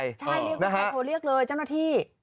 ใช่เรียกเลยเจ้าหน้าที่